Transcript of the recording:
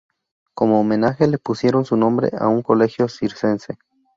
Como homenaje le pusieron su nombre a un colegio circense.